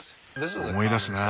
思い出すなぁ